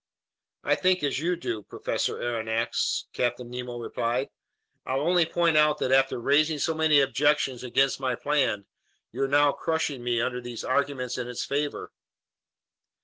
"I think as you do, Professor Aronnax," Captain Nemo replied. "I'll only point out that after raising so many objections against my plan, you're now crushing me under arguments in its favor."